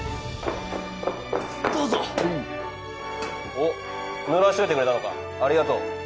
おッ濡らしといてくれたのかありがとう